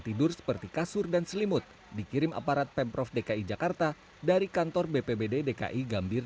tidur seperti kasur dan selimut dikirim aparat pemprov dki jakarta dari kantor bpbd dki gambir